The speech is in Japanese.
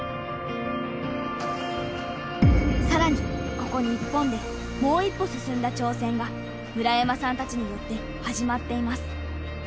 更にここ日本でもう一歩進んだ挑戦が村山さんたちによって始まっています。